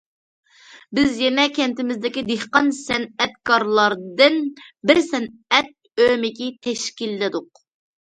بىز يەنە كەنتىمىزدىكى دېھقان سەنئەتكارلاردىن بىر سەنئەت ئۆمىكى تەشكىللىدۇق.